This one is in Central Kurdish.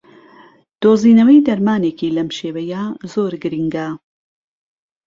دۆزینەوەی دەرمانێکی لەم شێوەیە زۆر گرنگە